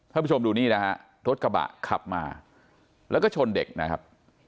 ผู้ชมดูนี่นะฮะรถกระบะขับมาแล้วก็ชนเด็กนะครับ